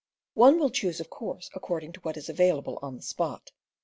One will choose, of course, according to what is available on the spot.